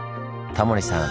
タモリさん